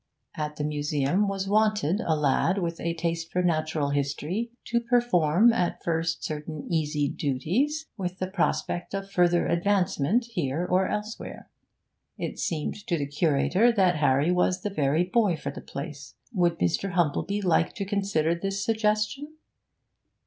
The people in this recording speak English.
At the museum was wanted a lad with a taste for natural history, to perform at first certain easy duties, with the prospect of further advancement here or elsewhere. It seemed to the curator that Harry was the very boy for the place; would Mr. Humplebee like to consider this suggestion?